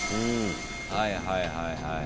はいはいはいはい。